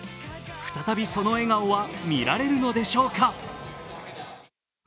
再びその笑顔は見られるのでしょうか。